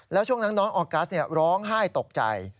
แล้วช่วงนั้นน้องออกัสร้องไห้ตกใจ